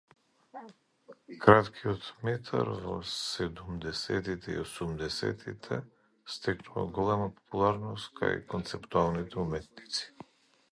Краткиот метар во седумдесеттите и осумдесеттите стекнува голема популарност кај концептуалните уметници.